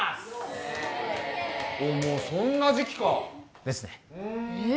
おおもうそんな時期かですねえっ